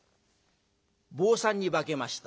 「坊さんに化けました」。